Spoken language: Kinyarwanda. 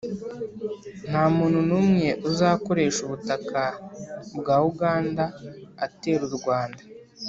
nta muntu n'umwe uzakoresha ubutaka bwa uganda atera u rwanda,